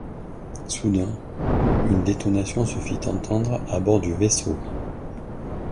Soudain, une détonation se fit entendre à bord du vaisseau